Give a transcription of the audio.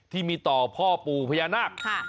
ที่มีต่อพ่อปู่พญานาค